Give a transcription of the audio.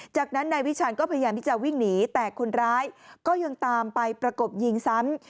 จากนั้นนายวิชาญก็พยายามที่จะวิ่งหนีแต่คนร้ายก็ยังตามไปประกบยิงซ้ำ